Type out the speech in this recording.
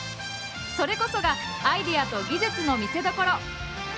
それこそがアイデアと技術の見せどころ。